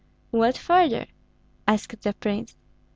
"What further?" asked the prince.